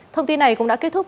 thông tin này cũng đã kết thúc